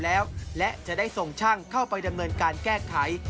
ก็ไม่ได้ะเมาตาเกิดเกี่ยว